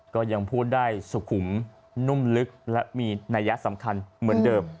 ก็ยังพูดได้สุขุมนุ่มลึกและมีนัยสำคัญเหมือนเดิม